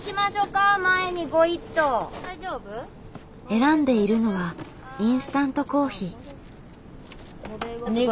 選んでいるのはインスタントコーヒー。